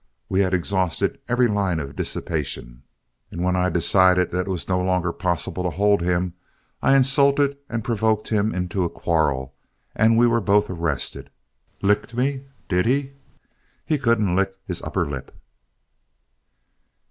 We had exhausted every line of dissipation, and when I decided that it was no longer possible to hold him, I insulted and provoked him into a quarrel, and we were both arrested. Licked me, did he? He couldn't lick his upper lip."